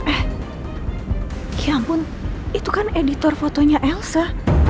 eh ya ampun itu kan editor fotonya elsa